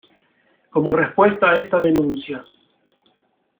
Como respuesta a esta denuncia.